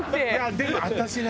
でも私ね